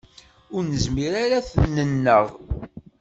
Ur nezmir ara ad t-nenneɣ.